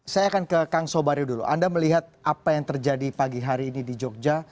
saya akan ke kang sobario dulu anda melihat apa yang terjadi pagi hari ini di jogja